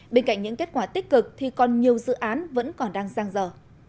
bên cạnh những kết quả tích cực thì còn nhiều dự án vẫn còn đang giang dở